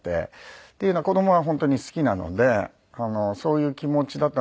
っていうのは子供は本当に好きなのでそういう気持ちだったんですけど